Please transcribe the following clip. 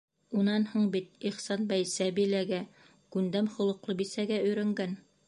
Унан һуң бит Ихсанбай Сәбиләгә - күндәм холоҡло бисәгә - өйрәнгән.